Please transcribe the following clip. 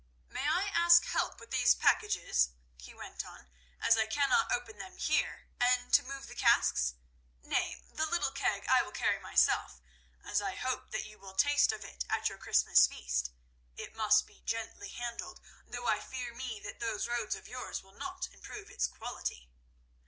"May I ask help with these packages?" he went on, "as I cannot open them here, and to move the casks? Nay, the little keg I will carry myself, as I hope that you will taste of it at your Christmas feast. It must be gently handled, though I fear me that those roads of yours will not improve its quality."